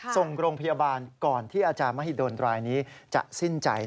ส่งโรงพยาบาลก่อนที่อาจารย์มหิดลรายนี้จะสิ้นใจ